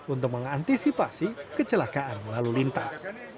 untuk mengantisipasi kecelakaan lalu lintas